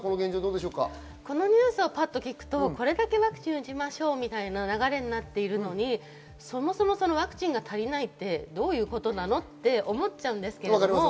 ニュースを聞くとワクチンを打ちましょうみたいな流れになっているのに、ワクチンが足りないってどういうことなのって思っちゃうんですけど。